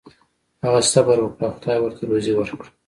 هغه صبر وکړ او خدای ورته روزي ورکړه.